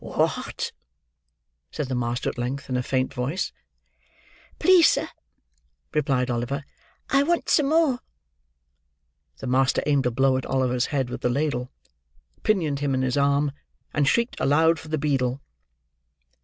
"What!" said the master at length, in a faint voice. "Please, sir," replied Oliver, "I want some more." The master aimed a blow at Oliver's head with the ladle; pinioned him in his arm; and shrieked aloud for the beadle.